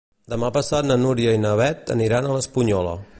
Demà passat na Núria i na Beth aniran a l'Espunyola.